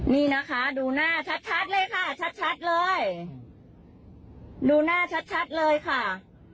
นี่นะคะดูหน้าชัดชัดเลยค่ะชัดชัดเลยดูหน้าชัดชัดเลยค่ะ